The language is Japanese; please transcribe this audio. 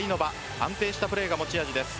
安定したプレーが持ち味です。